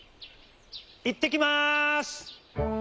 「いってきます！」。